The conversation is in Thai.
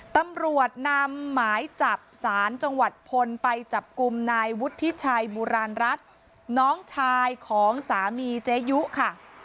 ตำรวจนำหมายจับสารจังหวัดพลไปจับกลุ่มนายวุฒิชัยบุราณรัฐน้องชายของสามีเจยุค่ะ